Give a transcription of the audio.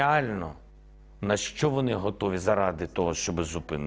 apa yang mereka siapkan untuk menutup perang